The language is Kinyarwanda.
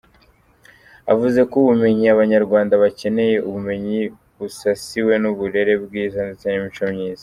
Avuze ko ubumenyi Abanyarwanda bakeneye ubumenyi busasiwe n’uburere bwiza ndetse n’imico myiza.